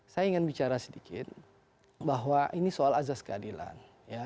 saya ingin bicara sedikit bahwa ini soal azas keadilan